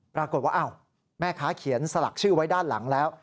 ปรากฏว่าอ้าวแม่ค้าเขียนสลักชื่อไว้ด้านหลังแล้ว